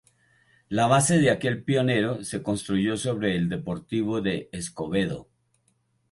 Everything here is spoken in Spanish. La base de aquel pionero, se constituyó sobre el Deportivo de Escobedo.